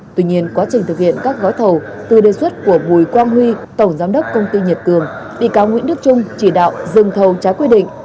tuy nhiên quá trình thực hiện các gói thầu từ đề xuất của bùi quang huy tổng giám đốc công ty nhật cường bị cáo nguyễn đức trung chỉ đạo dừng thầu trái quy định